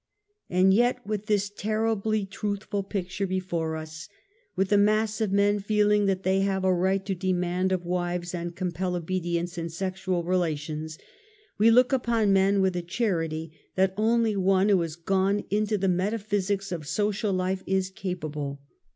And yet with this terribly truthful picture be fore us, with the mass of men feeling that they have a right to demand of wives and compel obedience in sexual relations, we look upon men with a charity that only one who has gone into the metaphysics of social life is capable.